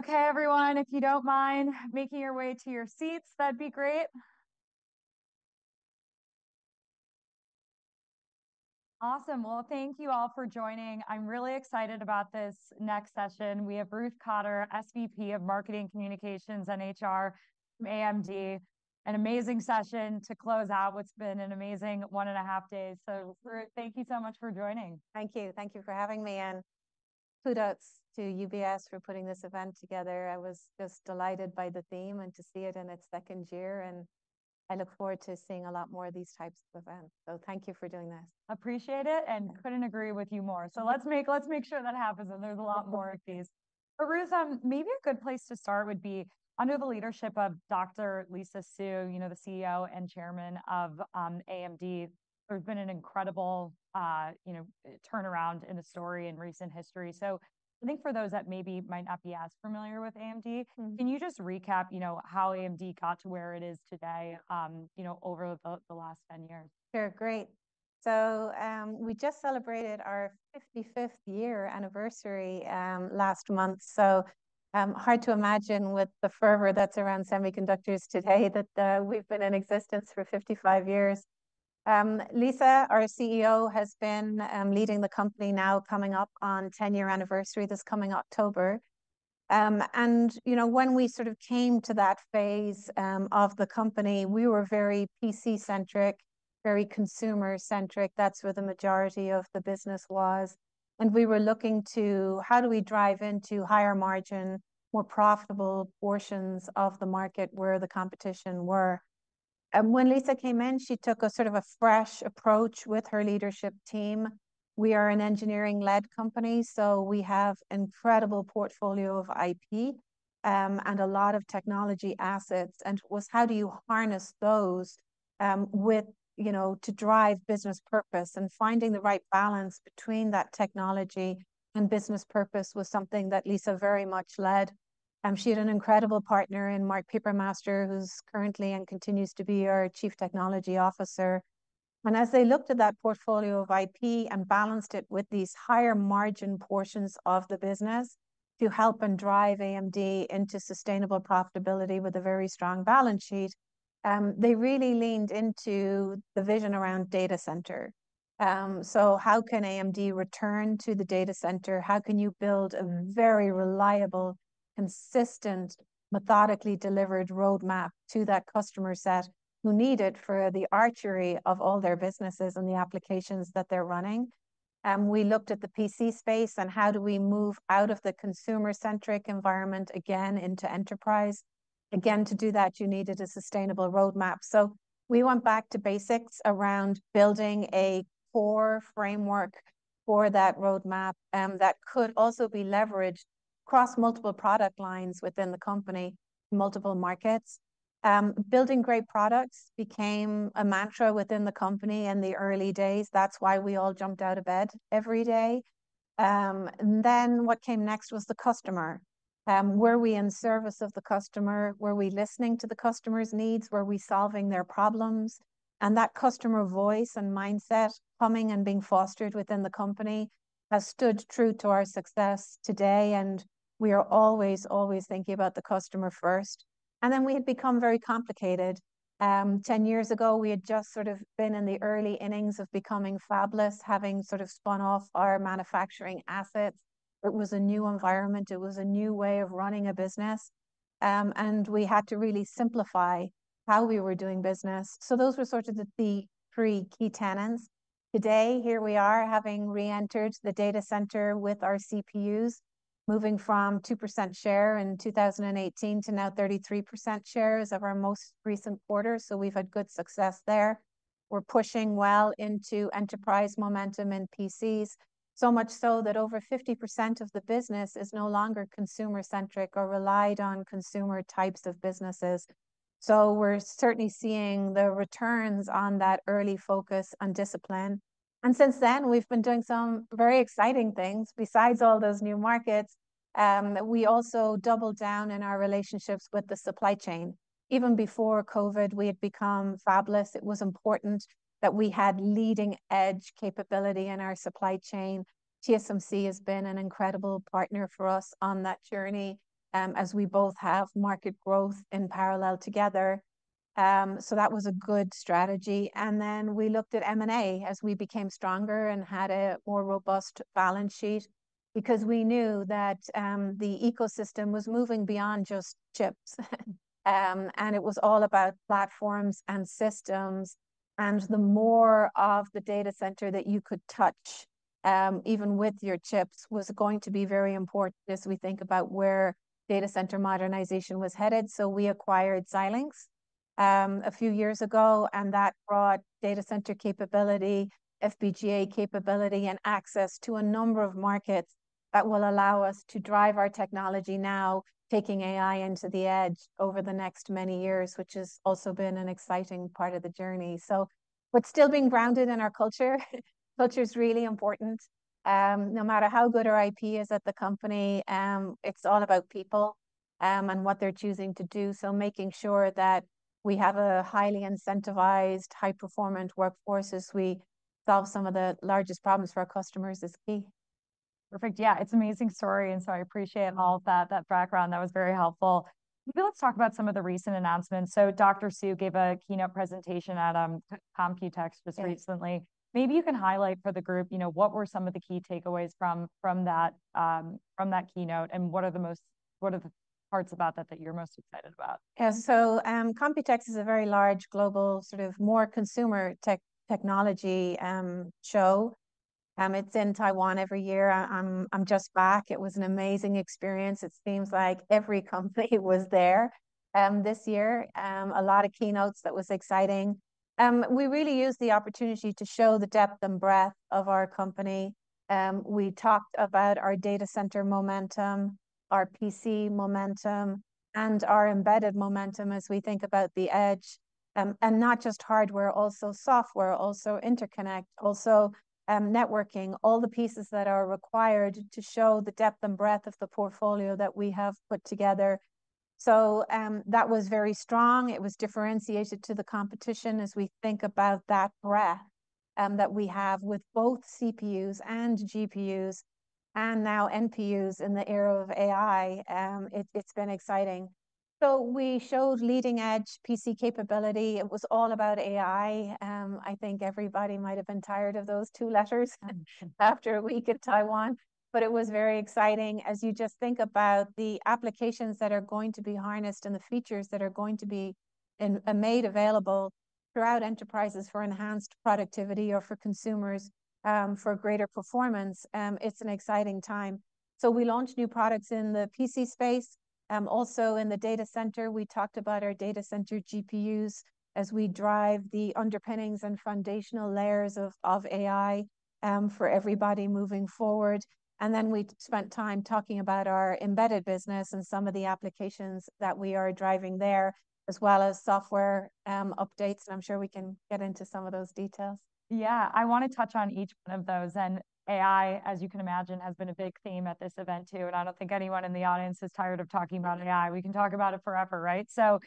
Okay, everyone, if you don't mind making your way to your seats, that'd be great. Awesome. Well, thank you all for joining. I'm really excited about this next session. We have Ruth Cotter, SVP of Marketing Communications and HR from AMD, an amazing session to close out what's been an amazing one and a half days. So, Ruth, thank you so much for joining. Thank you. Thank you for having me. Kudos to UBS for putting this event together. I was just delighted by the theme and to see it in its second year. I look forward to seeing a lot more of these types of events. Thank you for doing this. Appreciate it and couldn't agree with you more. So let's make sure that happens and there's a lot more of these. But Ruth, maybe a good place to start would be under the leadership of Dr. Lisa Su, you know, the CEO and Chairman of AMD. There's been an incredible, you know, turnaround in the story in recent history. So I think for those that maybe might not be as familiar with AMD, can you just recap, you know, how AMD got to where it is today, you know, over the last 10 years? Sure. Great. So we just celebrated our 55th year anniversary last month. So hard to imagine with the fervor that's around semiconductors today that we've been in existence for 55 years. Lisa, our CEO, has been leading the company now coming up on 10-year anniversary this coming October. And, you know, when we sort of came to that phase of the company, we were very PC-centric, very consumer-centric. That's where the majority of the business was. And we were looking to how do we drive into higher margin, more profitable portions of the market where the competition were. And when Lisa came in, she took a sort of a fresh approach with her leadership team. We are an engineering-led company, so we have an incredible portfolio of IP and a lot of technology assets. It was how do you harness those with, you know, to drive business purpose and finding the right balance between that technology and business purpose was something that Lisa very much led. She had an incredible partner in Mark Papermaster, who's currently and continues to be our Chief Technology Officer. As they looked at that portfolio of IP and balanced it with these higher margin portions of the business to help and drive AMD into sustainable profitability with a very strong balance sheet, they really leaned into the vision around data center. So how can AMD return to the data center? How can you build a very reliable, consistent, methodically delivered roadmap to that customer set who need it for the architecture of all their businesses and the applications that they're running? We looked at the PC space and how do we move out of the consumer-centric environment again into enterprise? Again, to do that, you needed a sustainable roadmap. So we went back to basics around building a core framework for that roadmap that could also be leveraged across multiple product lines within the company, multiple markets. Building great products became a mantra within the company in the early days. That's why we all jumped out of bed every day. And then what came next was the customer. Were we in service of the customer? Were we listening to the customer's needs? Were we solving their problems? And that customer voice and mindset coming and being fostered within the company has stood true to our success today. And we are always, always thinking about the customer first. And then we had become very complicated. 10 years ago, we had just sort of been in the early innings of becoming fabless, having sort of spun off our manufacturing assets. It was a new environment. It was a new way of running a business. We had to really simplify how we were doing business. Those were sort of the three key tenets. Today, here we are having reentered the data center with our CPUs, moving from 2% share in 2018 to now 33% shares of our most recent quarter. We've had good success there. We're pushing well into enterprise momentum in PCs, so much so that over 50% of the business is no longer consumer-centric or relied on consumer types of businesses. We're certainly seeing the returns on that early focus on discipline. Since then, we've been doing some very exciting things. Besides all those new markets, we also doubled down in our relationships with the supply chain. Even before COVID, we had become fabless. It was important that we had leading-edge capability in our supply chain. TSMC has been an incredible partner for us on that journey as we both have market growth in parallel together. So that was a good strategy. And then we looked at M&A as we became stronger and had a more robust balance sheet because we knew that the ecosystem was moving beyond just chips. And it was all about platforms and systems. And the more of the data center that you could touch, even with your chips, was going to be very important as we think about where data center modernization was headed. So we acquired Xilinx a few years ago, and that brought data center capability, FPGA capability, and access to a number of markets that will allow us to drive our technology now, taking AI into the edge over the next many years, which has also been an exciting part of the journey. So we're still being grounded in our culture. Culture is really important. No matter how good our IP is at the company, it's all about people and what they're choosing to do. So making sure that we have a highly incentivized, high-performant workforce as we solve some of the largest problems for our customers is key. Perfect. Yeah, it's an amazing story. And so I appreciate all of that background. That was very helpful. Maybe let's talk about some of the recent announcements. So Dr. Su gave a keynote presentation at COMPUTEX just recently. Maybe you can highlight for the group, you know, what were some of the key takeaways from that keynote and what are the most, what are the parts about that that you're most excited about? Yeah, so COMPUTEX is a very large global sort of more consumer technology show. It's in Taiwan every year. I'm just back. It was an amazing experience. It seems like every company was there this year. A lot of keynotes that were exciting. We really used the opportunity to show the depth and breadth of our company. We talked about our data center momentum, our PC momentum, and our embedded momentum as we think about the edge. And not just hardware, also software, also interconnect, also networking, all the pieces that are required to show the depth and breadth of the portfolio that we have put together. So that was very strong. It was differentiated to the competition as we think about that breadth that we have with both CPUs and GPUs and now NPUs in the era of AI. It's been exciting. So we showed leading-edge PC capability. It was all about AI. I think everybody might have been tired of those two letters after a week in Taiwan. But it was very exciting as you just think about the applications that are going to be harnessed and the features that are going to be made available throughout enterprises for enhanced productivity or for consumers for greater performance. It's an exciting time. So we launched new products in the PC space. Also in the data center, we talked about our data center GPUs as we drive the underpinnings and foundational layers of AI for everybody moving forward. And then we spent time talking about our embedded business and some of the applications that we are driving there, as well as software updates. And I'm sure we can get into some of those details. Yeah, I want to touch on each one of those. And AI, as you can imagine, has been a big theme at this event too. And I don't think anyone in the audience is tired of talking about AI. We can talk about it forever, right? So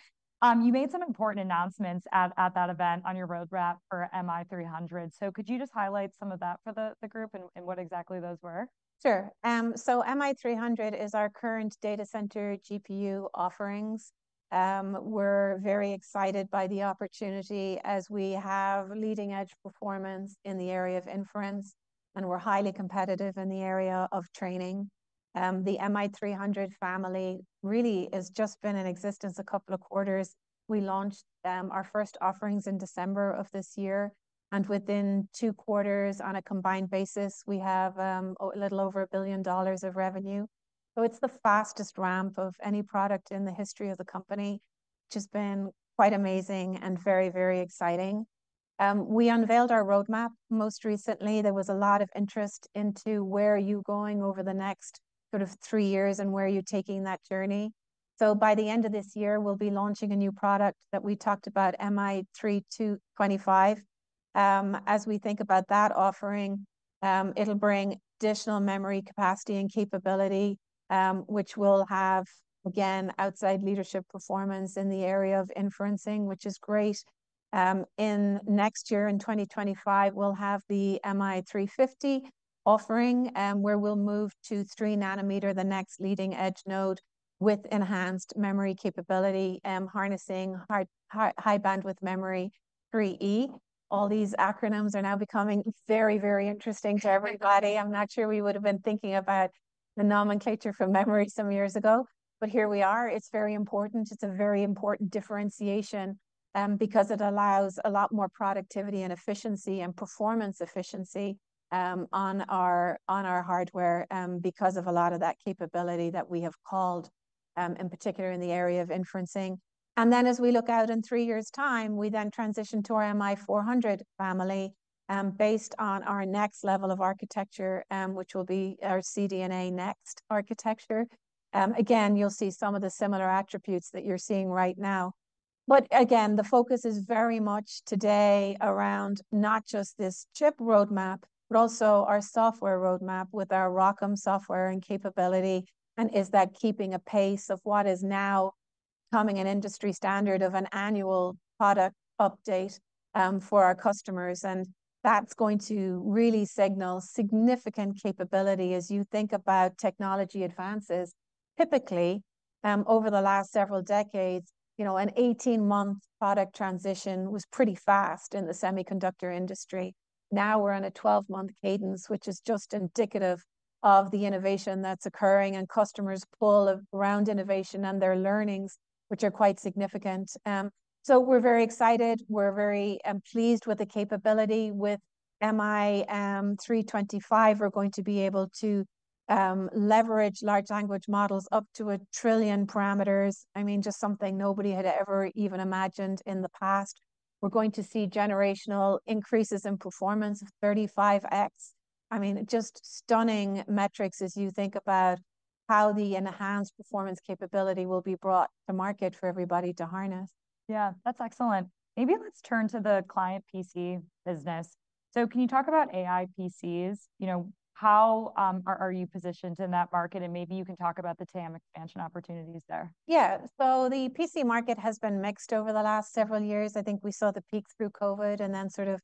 you made some important announcements at that event on your roadmap for MI300. So could you just highlight some of that for the group and what exactly those were? Sure. So MI300 is our current data center GPU offerings. We're very excited by the opportunity as we have leading-edge performance in the area of inference. And we're highly competitive in the area of training. The MI300 family really has just been in existence a couple of quarters. We launched our first offerings in December of this year. And within two quarters on a combined basis, we have a little over $1 billion of revenue. So it's the fastest ramp of any product in the history of the company, which has been quite amazing and very, very exciting. We unveiled our roadmap most recently. There was a lot of interest into where you're going over the next sort of three years and where you're taking that journey. So by the end of this year, we'll be launching a new product that we talked about, MI325. As we think about that offering, it'll bring additional memory capacity and capability, which will have, again, outside leadership performance in the area of inferencing, which is great. In next year, in 2025, we'll have the MI350 offering where we'll move to 3nm the next leading-edge node with enhanced memory capability, harnessing High-Bandwidth Memory 3E (HBM3E). All these acronyms are now becoming very, very interesting to everybody. I'm not sure we would have been thinking about the nomenclature for memory some years ago, but here we are. It's very important. It's a very important differentiation because it allows a lot more productivity and efficiency and performance efficiency on our hardware because of a lot of that capability that we have called, in particular in the area of inferencing. And then as we look out in three years' time, we then transition to our MI400 family based on our next level of architecture, which will be our CDNA Next architecture. Again, you'll see some of the similar attributes that you're seeing right now. But again, the focus is very much today around not just this chip roadmap, but also our software roadmap with our ROCm software and capability. And is that keeping pace with what is now becoming an industry standard of an annual product update for our customers. And that's going to really signal significant capability as you think about technology advances. Typically, over the last several decades, you know, an 18-month product transition was pretty fast in the semiconductor industry. Now we're on a 12-month cadence, which is just indicative of the innovation that's occurring and customers' pull around innovation and their learnings, which are quite significant. So we're very excited. We're very pleased with the capability. With MI325, we're going to be able to leverage large language models up to 1 trillion parameters. I mean, just something nobody had ever even imagined in the past. We're going to see generational increases in performance of 35X. I mean, just stunning metrics as you think about how the enhanced performance capability will be brought to market for everybody to harness. Yeah, that's excellent. Maybe let's turn to the client PC business. Can you talk about AI PCs? You know, how are you positioned in that market? Maybe you can talk about the TAM expansion opportunities there. Yeah, so the PC market has been mixed over the last several years. I think we saw the peak through COVID and then sort of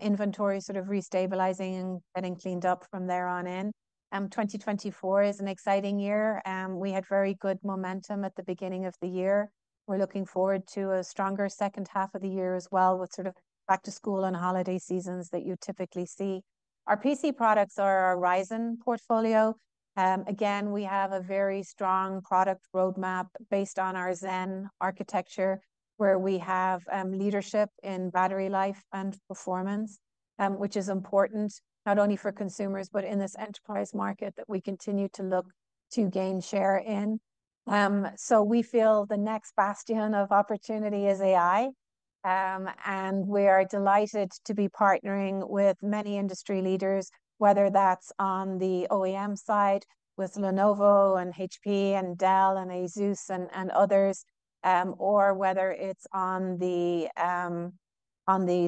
inventory sort of restabilizing and getting cleaned up from there on in. 2024 is an exciting year. We had very good momentum at the beginning of the year. We're looking forward to a stronger second half of the year as well with sort of back to school and holiday seasons that you typically see. Our PC products are our Ryzen portfolio. Again, we have a very strong product roadmap based on our Zen architecture where we have leadership in battery life and performance, which is important not only for consumers, but in this enterprise market that we continue to look to gain share in. So we feel the next bastion of opportunity is AI. We are delighted to be partnering with many industry leaders, whether that's on the OEM side with Lenovo and HP and Dell and ASUS and others, or whether it's on the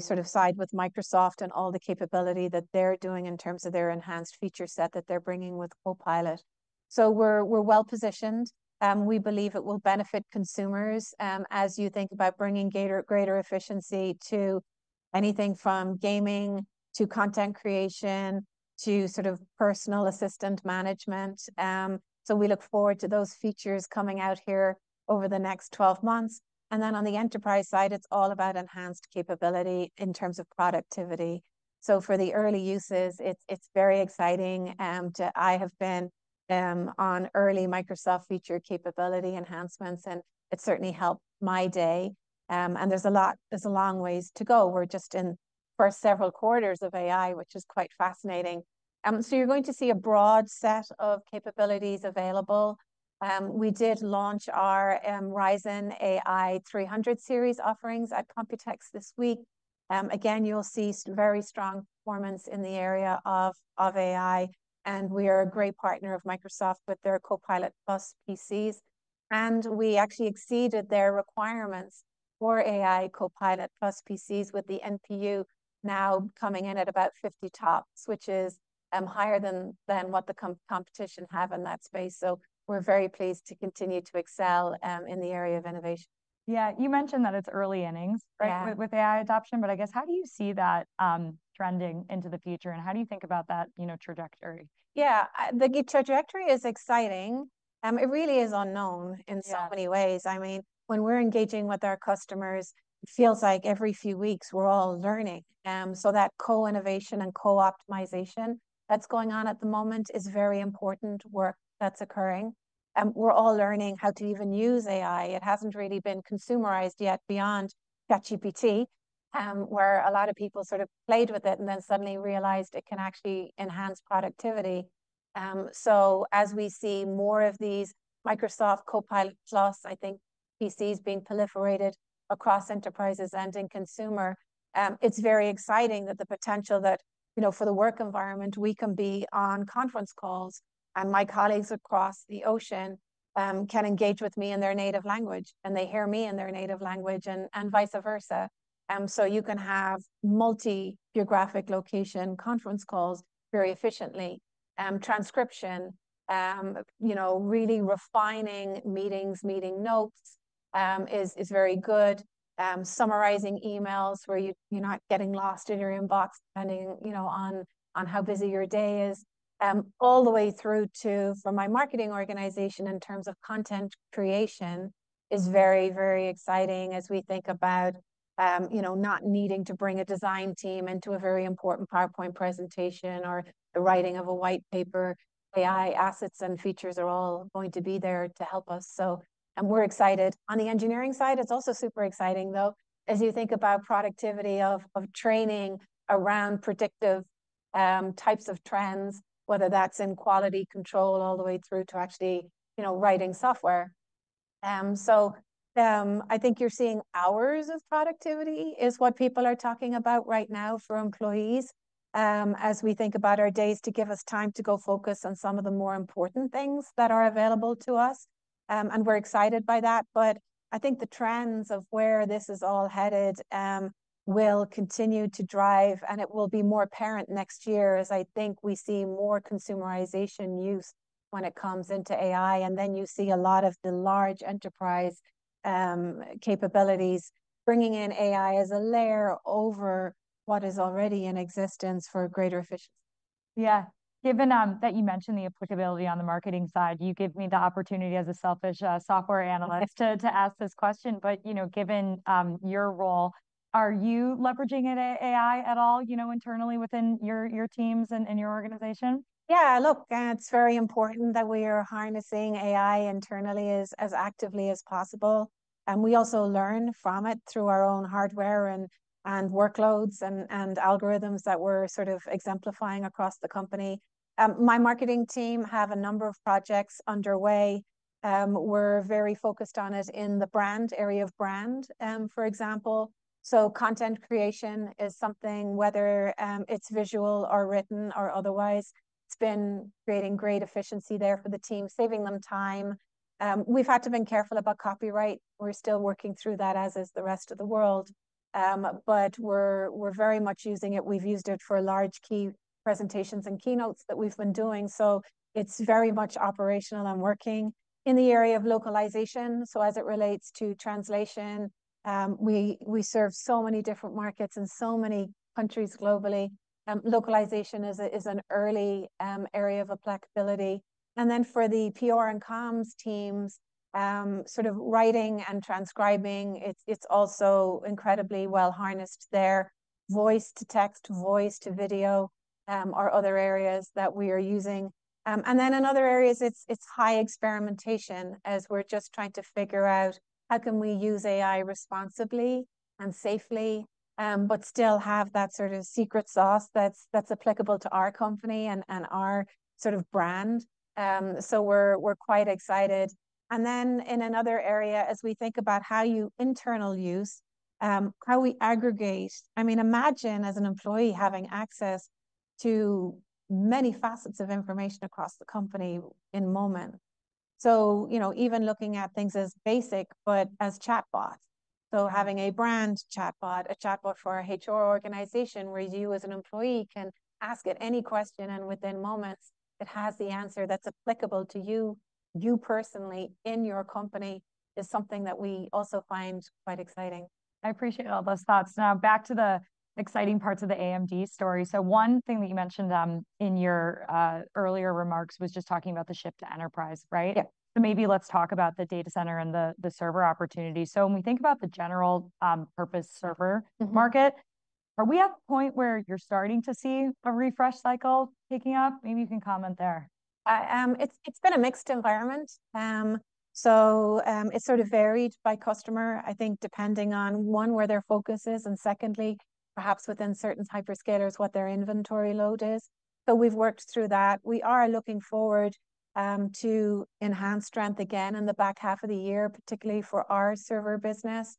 software side with Microsoft and all the capability that they're doing in terms of their enhanced feature set that they're bringing with Copilot. So we're well positioned. We believe it will benefit consumers as you think about bringing greater efficiency to anything from gaming to content creation to sort of personal assistant management. So we look forward to those features coming out here over the next 12 months. And then on the enterprise side, it's all about enhanced capability in terms of productivity. So for the early users, it's very exciting. I have been on early Microsoft feature capability enhancements, and it certainly helped my day. And there's a long way to go. We're just in the first several quarters of AI, which is quite fascinating. So you're going to see a broad set of capabilities available. We did launch our Ryzen AI 300 series offerings at COMPUTEX this week. Again, you'll see very strong performance in the area of AI. And we are a great partner of Microsoft with their Copilot+ PCs. And we actually exceeded their requirements for AI Copilot+ PCs with the NPU now coming in at about 50 TOPS, which is higher than what the competition have in that space. So we're very pleased to continue to excel in the area of innovation. Yeah, you mentioned that it's early innings, right, with AI adoption. But I guess how do you see that trending into the future? And how do you think about that trajectory? Yeah, the trajectory is exciting. It really is unknown in so many ways. I mean, when we're engaging with our customers, it feels like every few weeks we're all learning. So that co-innovation and co-optimization that's going on at the moment is very important work that's occurring. And we're all learning how to even use AI. It hasn't really been consumerized yet beyond ChatGPT, where a lot of people sort of played with it and then suddenly realized it can actually enhance productivity. So as we see more of these Microsoft Copilot+, I think, PCs being proliferated across enterprises and in consumer, it's very exciting that the potential that, you know, for the work environment, we can be on conference calls and my colleagues across the ocean can engage with me in their native language and they hear me in their native language and vice versa. So you can have multi-geographic location conference calls very efficiently. Transcription, you know, really refining meetings, meeting notes is very good. Summarizing emails where you're not getting lost in your inbox depending, you know, on how busy your day is. All the way through to from my marketing organization in terms of content creation is very, very exciting as we think about, you know, not needing to bring a design team into a very important PowerPoint presentation or the writing of a white paper. AI assets and features are all going to be there to help us. So we're excited. On the engineering side, it's also super exciting, though, as you think about productivity of training around predictive types of trends, whether that's in quality control all the way through to actually, you know, writing software. So I think you're seeing hours of productivity is what people are talking about right now for employees as we think about our days to give us time to go focus on some of the more important things that are available to us. And we're excited by that. But I think the trends of where this is all headed will continue to drive. And it will be more apparent next year as I think we see more consumerization use when it comes into AI. And then you see a lot of the large enterprise capabilities bringing in AI as a layer over what is already in existence for greater efficiency. Yeah. Given that you mentioned the applicability on the marketing side, you give me the opportunity as a selfish software analyst to ask this question. But, you know, given your role, are you leveraging AI at all, you know, internally within your teams and your organization? Yeah, look, it's very important that we are harnessing AI internally as actively as possible. We also learn from it through our own hardware and workloads and algorithms that we're sort of exemplifying across the company. My marketing team have a number of projects underway. We're very focused on it in the brand area of brand, for example. Content creation is something, whether it's visual or written or otherwise, it's been creating great efficiency there for the team, saving them time. We've had to be careful about copyright. We're still working through that as is the rest of the world. We're very much using it. We've used it for large key presentations and keynotes that we've been doing. It's very much operational and working in the area of localization. As it relates to translation, we serve so many different markets in so many countries globally. Localization is an early area of applicability. And then for the PR and comms teams, sort of writing and transcribing, it's also incredibly well harnessed there, voice to text, voice to video, or other areas that we are using. And then in other areas, it's high experimentation as we're just trying to figure out how can we use AI responsibly and safely, but still have that sort of secret sauce that's applicable to our company and our sort of brand. So we're quite excited. And then in another area, as we think about how we internally use, how we aggregate, I mean, imagine as an employee having access to many facets of information across the company in a moment. So, you know, even looking at things as basic, but as chatbots. Having a brand chatbot, a chatbot for an HR organization where you as an employee can ask it any question and within moments it has the answer that's applicable to you, you personally in your company is something that we also find quite exciting. I appreciate all those thoughts. Now, back to the exciting parts of the AMD story. So one thing that you mentioned in your earlier remarks was just talking about the shift to enterprise, right? So maybe let's talk about the data center and the server opportunity. So when we think about the general purpose server market, are we at the point where you're starting to see a refresh cycle kicking off? Maybe you can comment there. It's been a mixed environment. So it's sort of varied by customer, I think, depending on, one, where their focus is, and secondly, perhaps within certain hyperscalers what their inventory load is. So we've worked through that. We are looking forward to enhanced strength again in the back half of the year, particularly for our server business.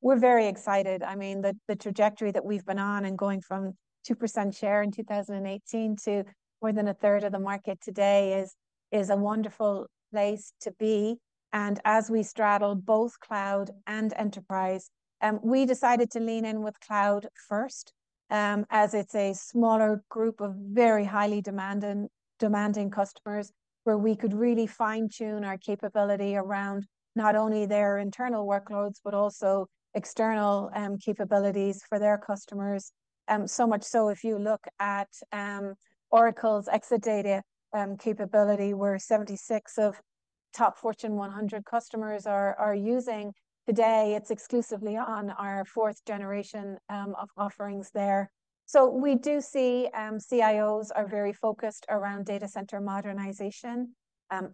We're very excited. I mean, the trajectory that we've been on and going from 2% share in 2018 to more than a third of the market today is a wonderful place to be. And as we straddle both cloud and enterprise, we decided to lean in with cloud first as it's a smaller group of very highly demanding customers where we could really fine-tune our capability around not only their internal workloads, but also external capabilities for their customers. So much so, if you look at Oracle's Exadata capability, where 76 of top Fortune 100 customers are using today, it's exclusively on our fourth generation of offerings there. So we do see CIOs are very focused around data center modernization,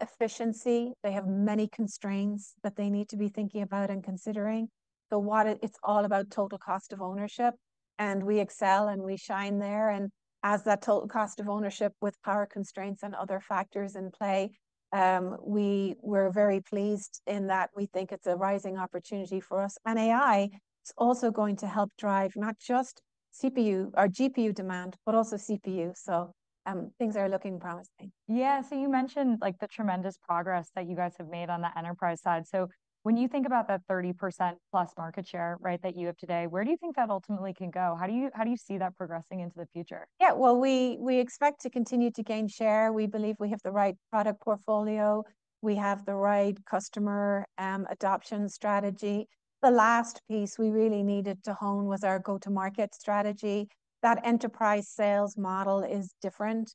efficiency. They have many constraints that they need to be thinking about and considering. So it's all about total cost of ownership. And we excel and we shine there. And as that total cost of ownership with power constraints and other factors in play, we're very pleased in that we think it's a rising opportunity for us. And AI is also going to help drive not just CPU or GPU demand, but also CPU. So things are looking promising. Yeah. So you mentioned like the tremendous progress that you guys have made on the enterprise side. So when you think about that 30%+ market share, right, that you have today, where do you think that ultimately can go? How do you see that progressing into the future? Yeah, well, we expect to continue to gain share. We believe we have the right product portfolio. We have the right customer adoption strategy. The last piece we really needed to hone was our go-to-market strategy. That enterprise sales model is different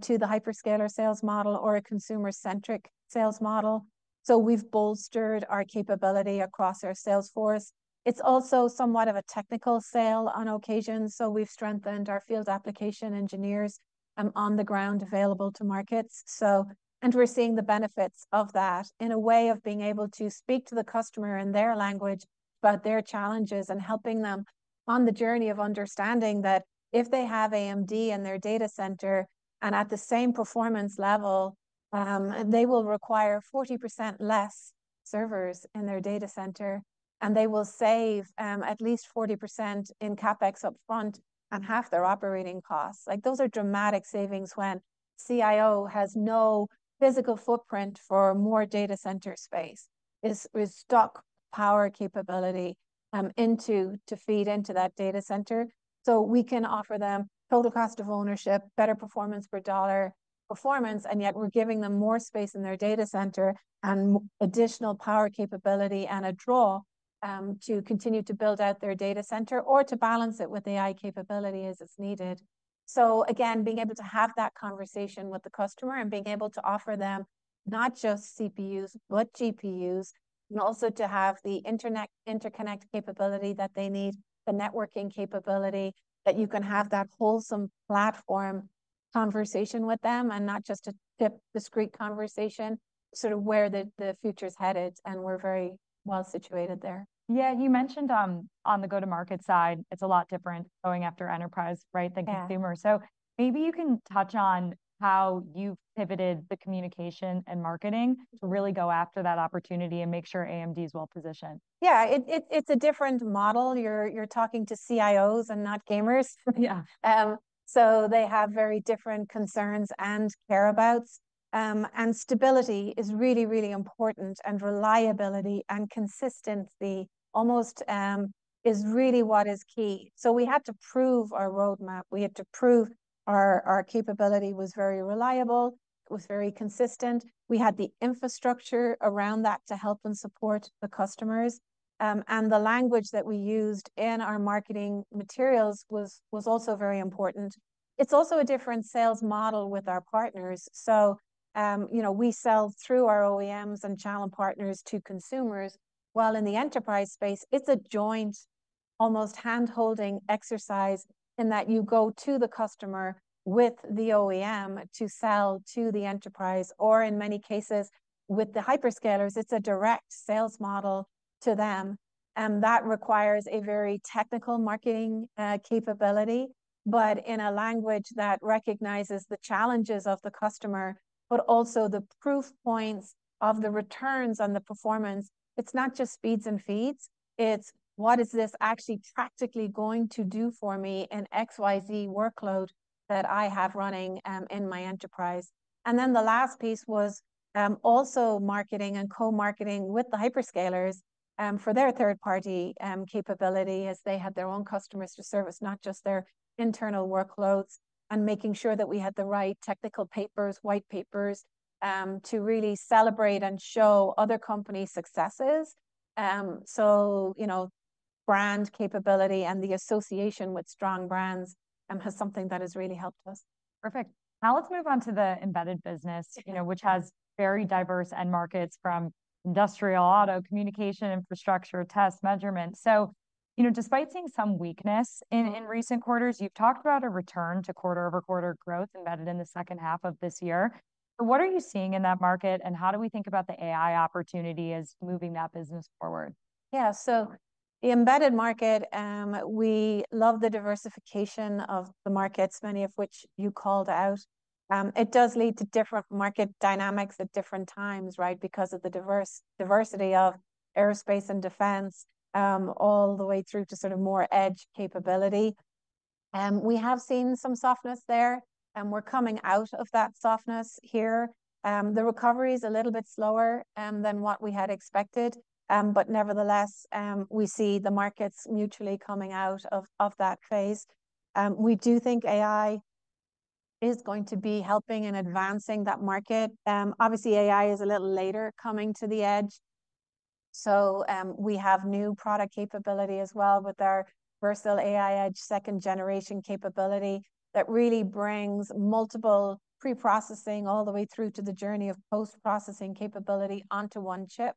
to the hyperscaler sales model or a consumer-centric sales model. So we've bolstered our capability across our sales force. It's also somewhat of a technical sale on occasion. So we've strengthened our field application engineers on the ground available to markets. And we're seeing the benefits of that in a way of being able to speak to the customer in their language about their challenges and helping them on the journey of understanding that if they have AMD in their data center and at the same performance level, they will require 40% less servers in their data center. They will save at least 40% in CapEx upfront and half their operating costs. Like those are dramatic savings when a CIO has no physical footprint for more data center space, no in-stock power capability needed to feed into that data center. So we can offer them total cost of ownership, better performance per dollar performance, and yet we're giving them more space in their data center and additional power capability and a draw to continue to build out their data center or to balance it with AI capability as it's needed. So again, being able to have that conversation with the customer and being able to offer them not just CPUs, but GPUs, and also to have the Ethernet Interconnect capability that they need, the networking capability that you can have that whole platform conversation with them and not just a discrete conversation sort of where the future is headed. And we're very well situated there. Yeah, you mentioned on the go-to-market side, it's a lot different going after enterprise, right, than consumer. So maybe you can touch on how you've pivoted the communication and marketing to really go after that opportunity and make sure AMD is well positioned. Yeah, it's a different model. You're talking to CIOs and not gamers. Yeah, so they have very different concerns and care about. And stability is really, really important and reliability and consistency almost is really what is key. So we had to prove our roadmap. We had to prove our capability was very reliable, was very consistent. We had the infrastructure around that to help and support the customers. And the language that we used in our marketing materials was also very important. It's also a different sales model with our partners. So, you know, we sell through our OEMs and channel partners to consumers. While in the enterprise space, it's a joint almost hand-holding exercise in that you go to the customer with the OEM to sell to the enterprise or in many cases with the hyperscalers, it's a direct sales model to them. And that requires a very technical marketing capability, but in a language that recognizes the challenges of the customer, but also the proof points of the returns on the performance. It's not just speeds and feeds. It's what is this actually practically going to do for me in XYZ workload that I have running in my enterprise. And then the last piece was also marketing and co-marketing with the hyperscalers for their third-party capability as they had their own customers to service, not just their internal workloads and making sure that we had the right technical papers, white papers to really celebrate and show other companies' successes. So, you know, brand capability and the association with strong brands has something that has really helped us. Perfect. Now let's move on to the embedded business, you know, which has very diverse end markets from industrial, auto, communication, infrastructure, test, measurement. So, you know, despite seeing some weakness in recent quarters, you've talked about a return to quarter-over-quarter growth embedded in the second half of this year. What are you seeing in that market and how do we think about the AI opportunity as moving that business forward? Yeah, so the embedded market, we love the diversification of the markets, many of which you called out. It does lead to different market dynamics at different times, right, because of the diversity of aerospace and defense all the way through to sort of more edge capability. We have seen some softness there and we're coming out of that softness here. The recovery is a little bit slower than what we had expected, but nevertheless, we see the markets mutually coming out of that phase. We do think AI is going to be helping and advancing that market. Obviously, AI is a little later coming to the edge. So we have new product capability as well with our Versal AI Edge second-generation capability that really brings multiple pre-processing all the way through to the journey of post-processing capability onto one chip.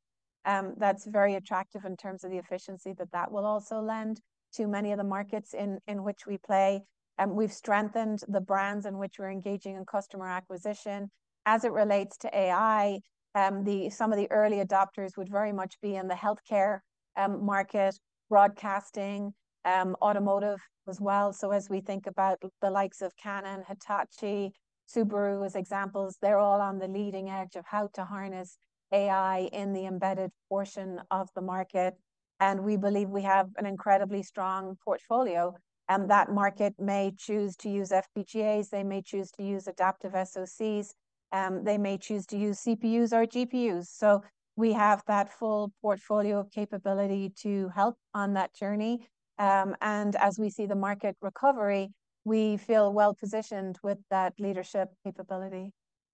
That's very attractive in terms of the efficiency that that will also lend to many of the markets in which we play. We've strengthened the brands in which we're engaging in customer acquisition. As it relates to AI, some of the early adopters would very much be in the healthcare market, broadcasting, automotive as well. So as we think about the likes of Canon, Hitachi, Subaru as examples, they're all on the leading edge of how to harness AI in the embedded portion of the market. And we believe we have an incredibly strong portfolio. And that market may choose to use FPGAs. They may choose to use adaptive SoCs. They may choose to use CPUs or GPUs. So we have that full portfolio capability to help on that journey. And as we see the market recovery, we feel well positioned with that leadership capability.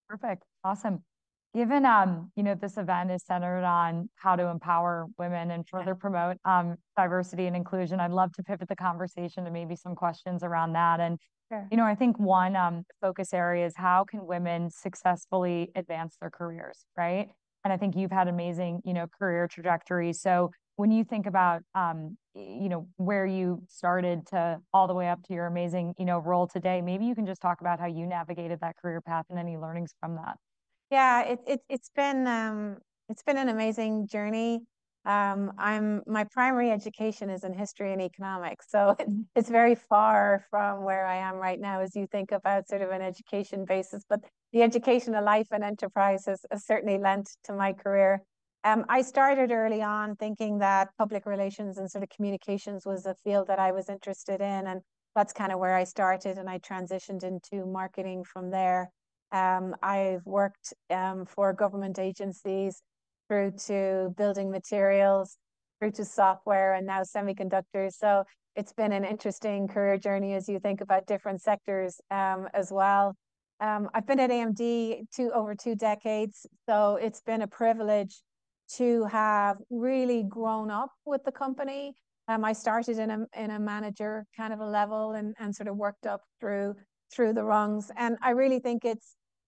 Perfect. Awesome. Given, you know, this event is centered on how to empower women and further promote diversity and inclusion, I'd love to pivot the conversation to maybe some questions around that. You know, I think one focus area is how can women successfully advance their careers, right? I think you've had amazing, you know, career trajectory. When you think about, you know, where you started to all the way up to your amazing, you know, role today, maybe you can just talk about how you navigated that career path and any learnings from that. Yeah, it's been an amazing journey. My primary education is in history and economics. So it's very far from where I am right now as you think about sort of an education basis, but the education of life and enterprise has certainly lent to my career. I started early on thinking that public relations and sort of communications was a field that I was interested in. And that's kind of where I started and I transitioned into marketing from there. I've worked for government agencies through to building materials, through to software, and now semiconductors. So it's been an interesting career journey as you think about different sectors as well. I've been at AMD over two decades. So it's been a privilege to have really grown up with the company. I started in a manager kind of a level and sort of worked up through the rungs. And I really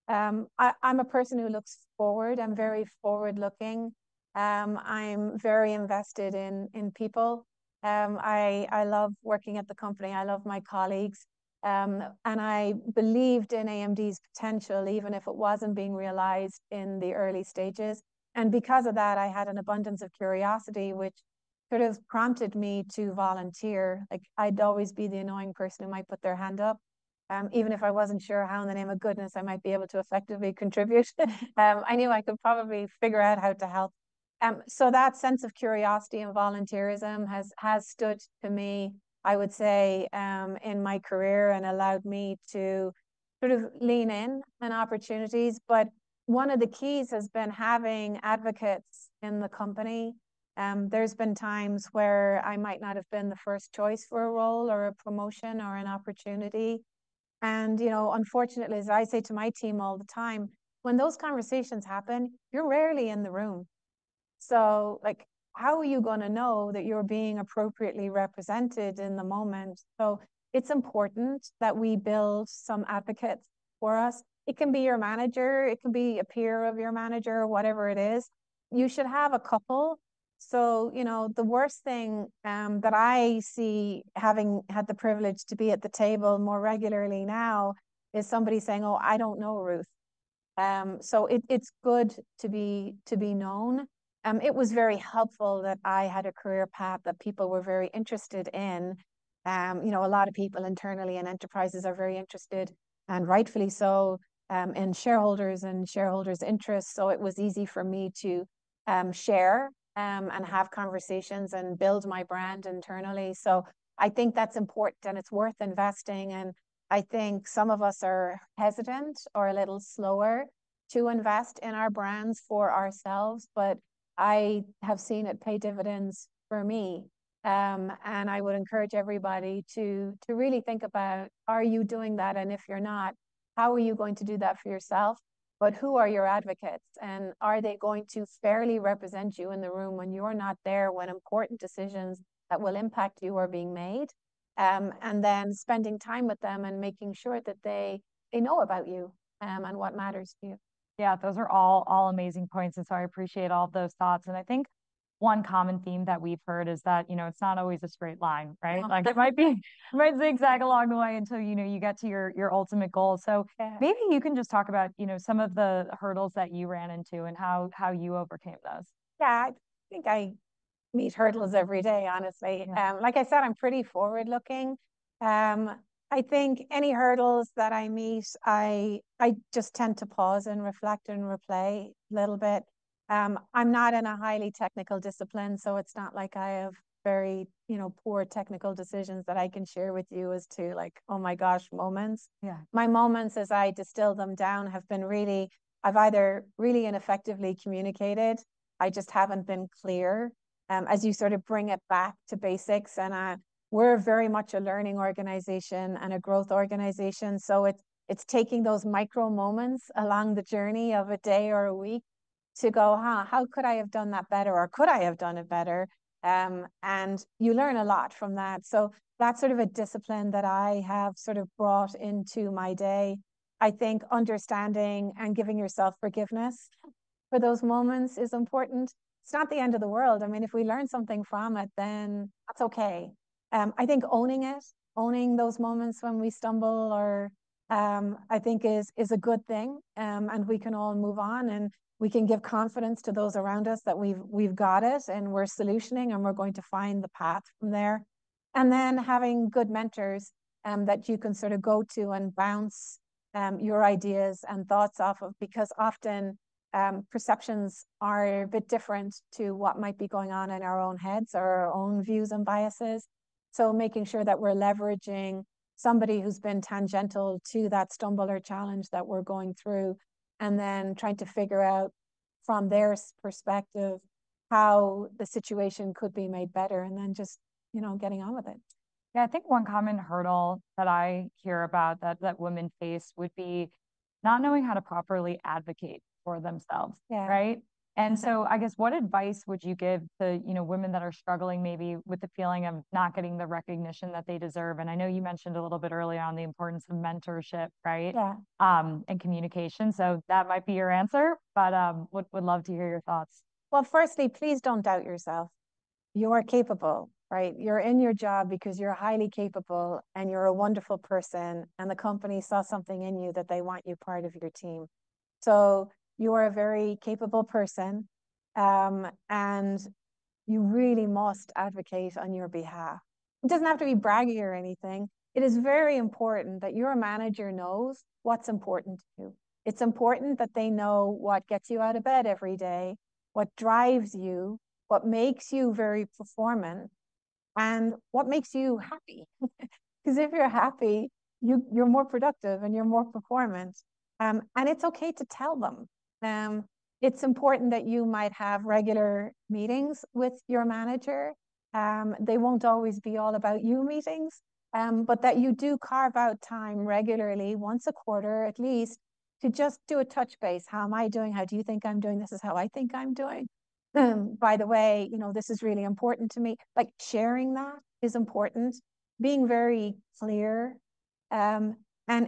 think it's, I'm a person who looks forward. I'm very forward-looking. I'm very invested in people. I love working at the company. I love my colleagues. And I believed in AMD's potential, even if it wasn't being realized in the early stages. And because of that, I had an abundance of curiosity, which sort of prompted me to volunteer. Like I'd always be the annoying person who might put their hand up. Even if I wasn't sure how in the name of goodness I might be able to effectively contribute, I knew I could probably figure out how to help. So that sense of curiosity and volunteerism has stood to me, I would say, in my career and allowed me to sort of lean in on opportunities. But one of the keys has been having advocates in the company. There's been times where I might not have been the first choice for a role or a promotion or an opportunity. You know, unfortunately, as I say to my team all the time, when those conversations happen, you're rarely in the room. So like how are you going to know that you're being appropriately represented in the moment? It's important that we build some advocates for us. It can be your manager. It can be a peer of your manager, whatever it is. You should have a couple. You know, the worst thing that I see having had the privilege to be at the table more regularly now is somebody saying, "Oh, I don't know, Ruth." It's good to be known. It was very helpful that I had a career path that people were very interested in. You know, a lot of people internally in enterprises are very interested and rightfully so in shareholders and shareholders' interests. So it was easy for me to share and have conversations and build my brand internally. So I think that's important and it's worth investing. And I think some of us are hesitant or a little slower to invest in our brands for ourselves, but I have seen it pay dividends for me. And I would encourage everybody to really think about, are you doing that? And if you're not, how are you going to do that for yourself? But who are your advocates? And are they going to fairly represent you in the room when you're not there when important decisions that will impact you are being made? And then spending time with them and making sure that they know about you and what matters to you. Yeah, those are all amazing points. And so I appreciate all of those thoughts. And I think one common theme that we've heard is that, you know, it's not always a straight line, right? Like it might be zigzag along the way until, you know, you get to your ultimate goal. So maybe you can just talk about, you know, some of the hurdles that you ran into and how you overcame those. Yeah, I think I meet hurdles every day, honestly. Like I said, I'm pretty forward-looking. I think any hurdles that I meet, I just tend to pause and reflect and replay a little bit. I'm not in a highly technical discipline, so it's not like I have very, you know, poor technical decisions that I can share with you as to like, "Oh my gosh, moments." My moments, as I distill them down, have been really, I've either really ineffectively communicated, I just haven't been clear. As you sort of bring it back to basics, and we're very much a learning organization and a growth organization. So it's taking those micro moments along the journey of a day or a week to go, "Huh, how could I have done that better? Or could I have done it better?" And you learn a lot from that. So that's sort of a discipline that I have sort of brought into my day. I think understanding and giving yourself forgiveness for those moments is important. It's not the end of the world. I mean, if we learn something from it, then that's okay. I think owning it, owning those moments when we stumble or I think is a good thing. And we can all move on and we can give confidence to those around us that we've got it and we're solutioning and we're going to find the path from there. And then having good mentors that you can sort of go to and bounce your ideas and thoughts off of because often perceptions are a bit different to what might be going on in our own heads or our own views and biases. So making sure that we're leveraging somebody who's been tangential to that stumbler challenge that we're going through and then trying to figure out from their perspective how the situation could be made better and then just, you know, getting on with it. Yeah, I think one common hurdle that I hear about that women face would be not knowing how to properly advocate for themselves, right? And so I guess what advice would you give to, you know, women that are struggling maybe with the feeling of not getting the recognition that they deserve? And I know you mentioned a little bit earlier on the importance of mentorship, right? Yeah. Communication. That might be your answer, but would love to hear your thoughts. Well, firstly, please don't doubt yourself. You are capable, right? You're in your job because you're highly capable and you're a wonderful person and the company saw something in you that they want you part of your team. So you are a very capable person and you really must advocate on your behalf. It doesn't have to be braggy or anything. It is very important that your manager knows what's important to you. It's important that they know what gets you out of bed every day, what drives you, what makes you very performant, and what makes you happy. Because if you're happy, you're more productive and you're more performant. And it's okay to tell them. It's important that you might have regular meetings with your manager. They won't always be all about you meetings, but that you do carve out time regularly once a quarter at least to just do a touch base. How am I doing? How do you think I'm doing? This is how I think I'm doing. By the way, you know, this is really important to me. Like sharing that is important, being very clear. And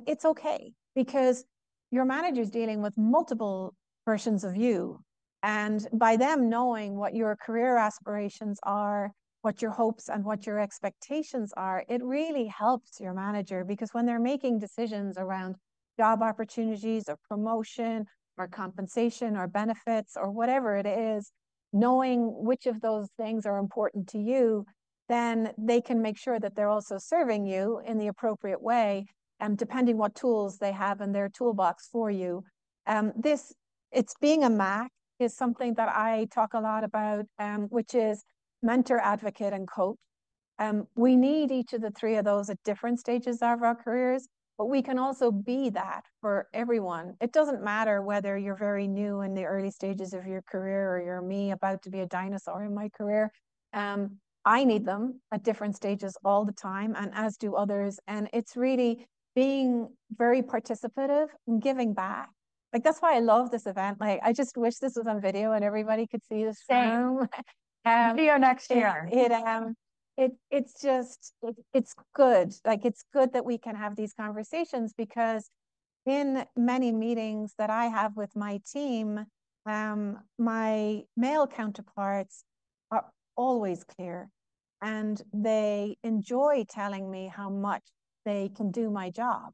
it's okay because your manager's dealing with multiple versions of you. And by them knowing what your career aspirations are, what your hopes and what your expectations are, it really helps your manager because when they're making decisions around job opportunities or promotion or compensation or benefits or whatever it is, knowing which of those things are important to you, then they can make sure that they're also serving you in the appropriate way and depending on what tools they have in their toolbox for you. It's being a MAC is something that I talk a lot about, which is mentor, advocate, and coach. We need each of the three of those at different stages of our careers, but we can also be that for everyone. It doesn't matter whether you're very new in the early stages of your career or you're me about to be a dinosaur in my career. I need them at different stages all the time and as do others. It's really being very participative and giving back. Like that's why I love this event. Like I just wish this was on video and everybody could see the same. Video next year. It's just, it's good. Like it's good that we can have these conversations because in many meetings that I have with my team, my male counterparts are always clear and they enjoy telling me how much they can do my job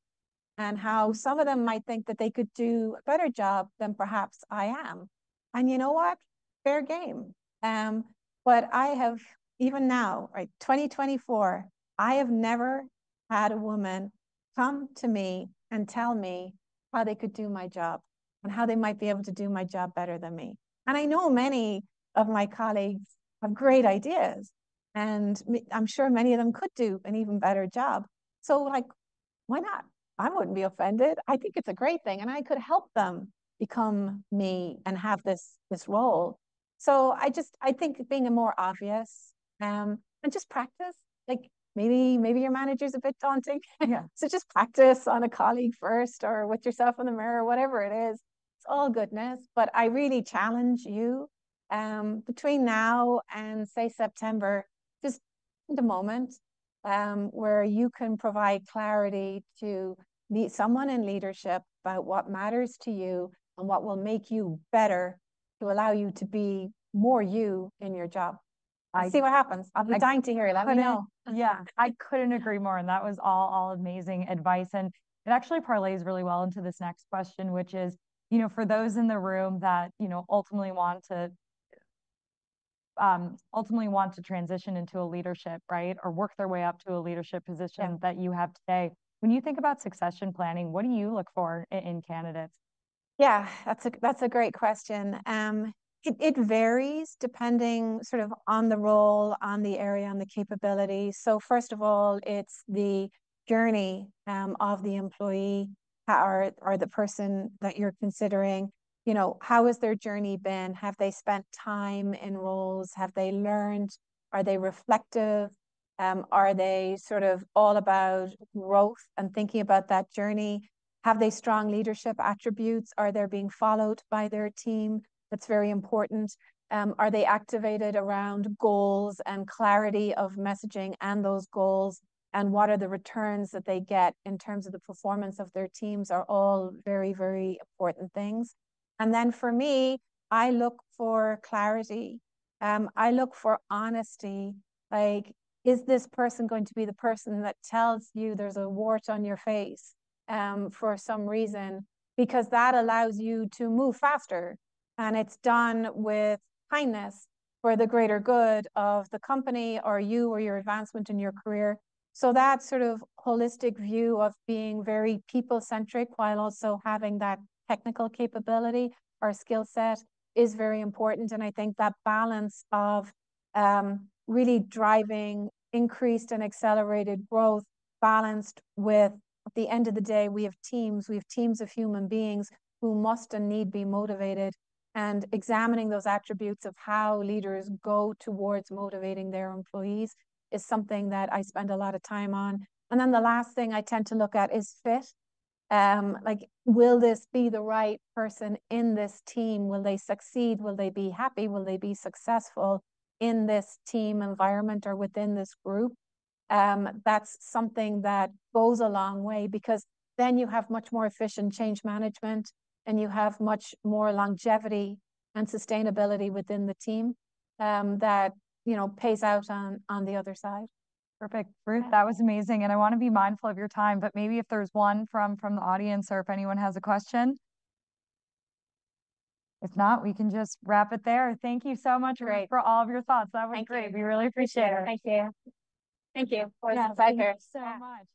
and how some of them might think that they could do a better job than perhaps I am. And you know what? Fair game. But I have, even now, right, 2024, I have never had a woman come to me and tell me how they could do my job and how they might be able to do my job better than me. And I know many of my colleagues have great ideas and I'm sure many of them could do an even better job. So like, why not? I wouldn't be offended. I think it's a great thing and I could help them become me and have this role. So, I just, I think being a more obvious and just practice. Like, maybe your manager's a bit daunting. So, just practice on a colleague first or with yourself in the mirror or whatever it is. It's all goodness. But I really challenge you between now and say September, just the moment where you can provide clarity to meet someone in leadership about what matters to you and what will make you better to allow you to be more you in your job. See what happens. I'm dying to hear it. Let me know. Yeah. I couldn't agree more. That was all amazing advice. It actually parlays really well into this next question, which is, you know, for those in the room that, you know, ultimately want to transition into a leadership, right? Or work their way up to a leadership position that you have today. When you think about succession planning, what do you look for in candidates? Yeah, that's a great question. It varies depending sort of on the role, on the area, on the capability. So first of all, it's the journey of the employee or the person that you're considering. You know, how has their journey been? Have they spent time in roles? Have they learned? Are they reflective? Are they sort of all about growth and thinking about that journey? Have they strong leadership attributes? Are they being followed by their team? That's very important. Are they activated around goals and clarity of messaging and those goals? And what are the returns that they get in terms of the performance of their teams are all very, very important things. And then for me, I look for clarity. I look for honesty. Like, is this person going to be the person that tells you there's a wart on your face for some reason? Because that allows you to move faster. And it's done with kindness for the greater good of the company or you or your advancement in your career. So that sort of holistic view of being very people-centric while also having that technical capability or skill set is very important. And I think that balance of really driving increased and accelerated growth balanced with at the end of the day, we have teams. We have teams of human beings who must and need to be motivated. And examining those attributes of how leaders go towards motivating their employees is something that I spend a lot of time on. And then the last thing I tend to look at is fit. Like, will this be the right person in this team? Will they succeed? Will they be happy? Will they be successful in this team environment or within this group? That's something that goes a long way because then you have much more efficient change management and you have much more longevity and sustainability within the team that, you know, pays out on the other side. Perfect. Ruth, that was amazing. And I want to be mindful of your time, but maybe if there's one from the audience or if anyone has a question. If not, we can just wrap it there. Thank you so much for all of your thoughts. That was great. We really appreciate it. Thank you. Thank you. Thank you. Thank you so much.